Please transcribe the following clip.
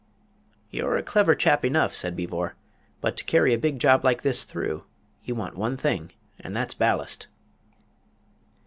"You're a clever chap enough," said Beevor; "but to carry a big job like this through you want one thing and that's ballast."